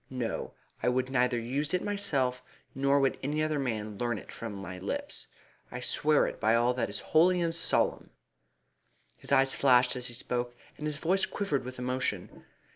No, I would neither use it myself nor would any other man learn it from my lips. I swear it by all that is holy and solemn!" His eyes flashed as he spoke, and his voice quivered with emotion.